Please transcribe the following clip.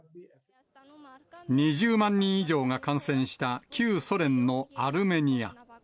２０万人以上が感染した旧ソ連のアルメニア。